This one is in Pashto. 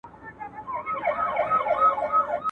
زېری د خزان یم له بهار سره مي نه لګي..